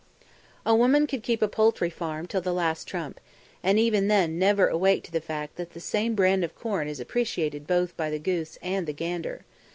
A woman could keep a poultry farm till the last trump, and even then never awake to the fact that the same brand of corn is appreciated both by the goose and the gander!